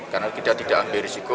karena kita tidak ambil risiko